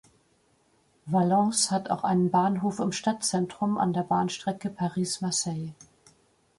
Valence hat auch einen Bahnhof im Stadtzentrum, an der Bahnstrecke Paris–Marseille.